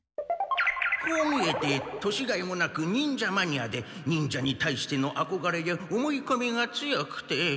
こう見えて年がいもなく忍者マニアで忍者に対してのあこがれや思いこみが強くて。